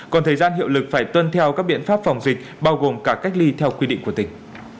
còn thời gian hiệu lực phải tuân theo các biện pháp phòng dịch bao gồm cả cách ly theo quy định của tỉnh